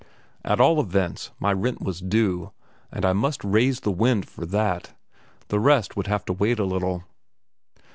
At all events, my rent was due, and I must raise the wind for that; the rest would have to wait a little.